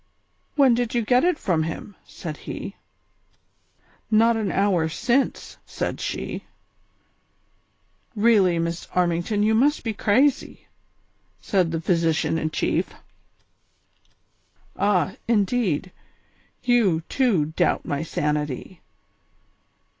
" When did you get it from him ?" said he. " Not an hour since," said she. "Really, Miss Armington, you must be crazy," said the physician in chief. " Ah, indeed ; you, too, doubt my sanity.